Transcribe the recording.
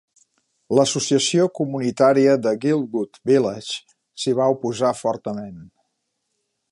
L'associació comunitària de Guildwood Village s'hi va oposar fortament.